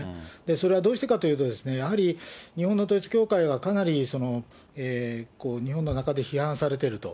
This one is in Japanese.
それはどうしてかというと、やはり日本の統一教会はかなり日本の中で批判されていると。